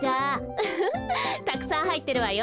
ウフフたくさんはいってるわよ。